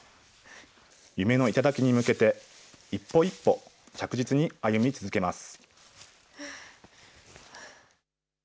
夢の頂に向けて、一歩一歩、着実に歩み続けます。